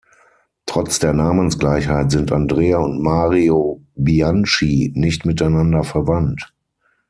Trotz der Namensgleichheit sind Andrea und Mario Bianchi nicht miteinander verwandt.